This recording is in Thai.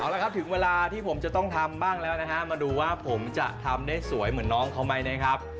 แล้วครับถึงเวลาที่ผมจะต้องทำบ้างแล้วนะฮะมาดูว่าผมจะทำได้สวยเหมือนน้องเขาไหมนะครับ